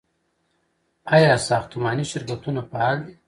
آیا ساختماني شرکتونه فعال دي؟